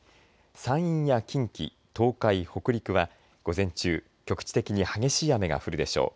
山陰や近畿、東海、北陸は午前中、局地的に激しい雨が降るでしょう。